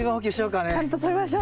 ちゃんととりましょう。